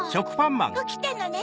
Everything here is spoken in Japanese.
おきたのね